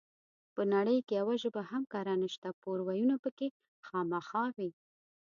په نړۍ کې يوه ژبه هم کره نشته ده پور وييونه پکې خامخا وي